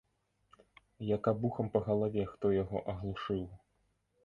Як абухам па галаве хто яго аглушыў.